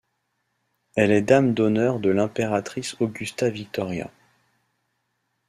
Elle est dame d'honneur de l'impératrice Augusta-Victoria.